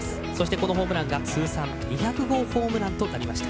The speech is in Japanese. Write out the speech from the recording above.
このホームランが通算２００号ホームランとなりました。